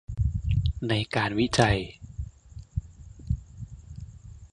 ในการวิจัย